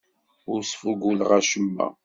Ur sfuguleɣ acemma.